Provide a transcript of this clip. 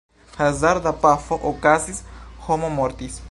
Hazarda pafo okazis, homo mortis.